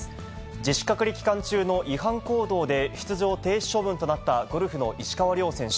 自主隔離期間中の違反行動で出場停止処分となったゴルフの石川遼選手。